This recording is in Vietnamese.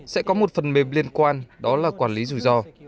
sẽ có một phần mềm liên quan đó là quản lý rủi ro